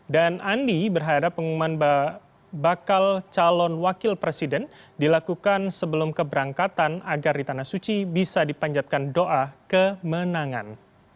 dan andi berharap pengumuman bakal calon wakil presiden dilakukan sebelum keberangkatan agar di tanah suci bisa dipanjatkan doa kemenangan